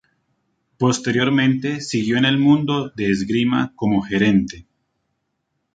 Posteriormente siguió en el mundo de esgrima como gerente.